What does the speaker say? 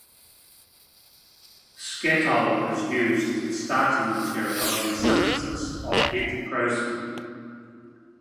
Skatole is used as the starting material in the synthesis of atiprosin.